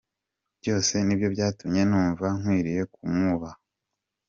Byose nibyo byatumye numva nkwiriye kumwubaha.